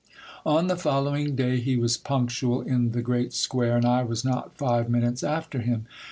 On the following day he was punctual in the great square, and I was not five minutes after him.